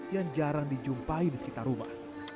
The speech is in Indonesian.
yang jarang dijumpai di sekitar rumah